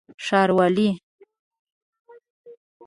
ښاروالي